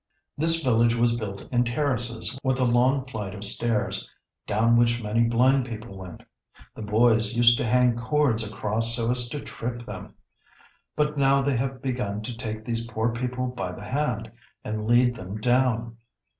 This village was built in terraces with a long flight of stairs, down which many blind people went. The boys used to hang cords across so as to trip them. But now they have begun to take these poor people by the hand, and lead them down."